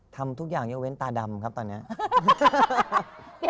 ทำทุกอย่างยกเว้นตาดำครับตอนนี้